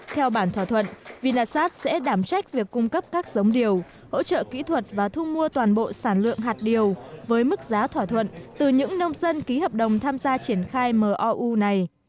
theo bản thỏa thuận vinasat sẽ đảm trách việc cung cấp các giống điều hỗ trợ kỹ thuật và thu mua toàn bộ sản lượng hạt điều với mức giá thỏa thuận từ những nông dân ký hợp đồng tham gia triển khai mou này